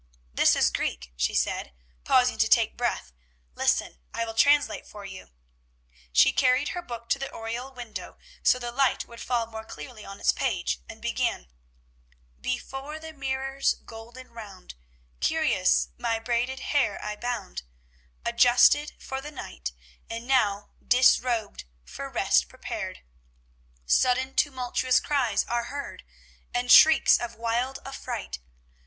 This is Greek, she said, pausing to take breath. "Listen! I will translate for you." She carried her book to the oriel window, so the light would fall more clearly on its page, and began, "Before the mirror's golden round, Curious my braided hair I bound, Adjusted for the night; And now, disrobed, for rest prepared, Sudden tumultuous cries are heard, And shrieks of wild affright.